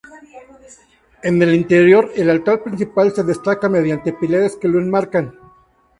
En el interior, el altar principal se destaca mediante pilares que lo enmarcan.